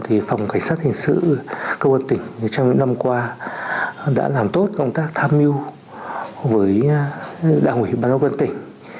thì phòng cảnh sát hình sự công an tỉnh trong những năm qua đã làm tốt công tác tham mưu với đảng ủy ban giáo quân tỉnh